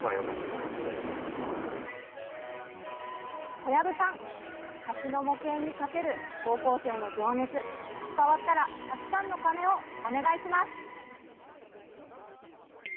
小籔さん、橋の模型にかける高校生の情熱、伝わったら、たくさんの鐘をお願いします。